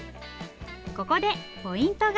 ここでポイントが！